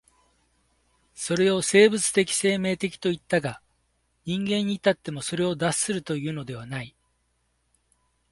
それを生物的生命的といったが、人間に至ってもそれを脱するというのではない。